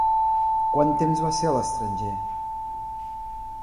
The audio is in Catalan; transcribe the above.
Quant temps va ser a l'estranger?